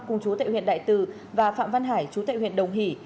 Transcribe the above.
cùng chú tại huyện đại từ và phạm văn hải chú tệ huyện đồng hỷ